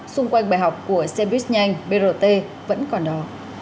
xung quanh bài học của xe buýt nhanh brt vẫn còn đó